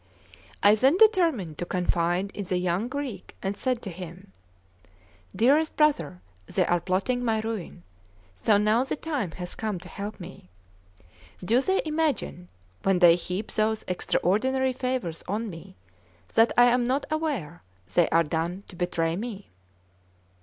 I then determined to confide in the young Greek, and said to him: "Dearest brother, they are plotting my ruin; so now the time has come to help me. Do they imagine, when they heap those extraordinary favours on me, that I am not aware they are done to betray me?"